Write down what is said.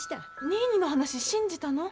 ニーニーの話信じたの？